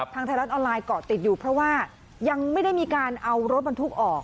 ไทยรัฐออนไลน์เกาะติดอยู่เพราะว่ายังไม่ได้มีการเอารถบรรทุกออก